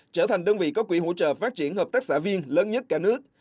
trở thành đơn vị có quỹ hỗ trợ phát triển hợp tác xã viên lớn nhất cả nước